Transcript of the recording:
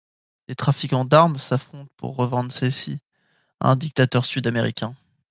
Des trafiquants d'armes s'affrontent pour revendre celles-ci à un dictateur sud-américain.